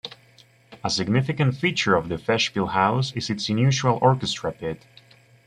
A significant feature of the Festspielhaus is its unusual orchestra pit.